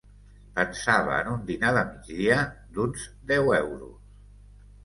Pensava en un dinar de migdia d'uns deu euros.